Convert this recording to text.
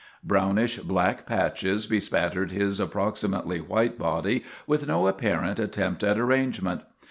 Brownish black patches bespattered his approximately white body with no apparent attempt at arrangement.